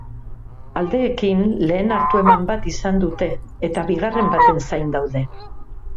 Aldeekin lehen hartu eman bat izan dute, eta bigarren baten zain daude.